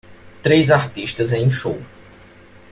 Três artistas em um show.